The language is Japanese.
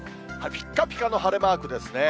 ぴっかぴかの晴れマークですね。